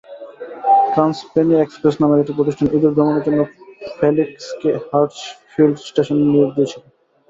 ট্রান্সপেনি Express নামের একটি প্রতিষ্ঠান ইঁদুর দমনের জন্য ফেলিক্সকে হাডার্সফিল্ড স্টেশনে নিয়োগ দিয়েছিল।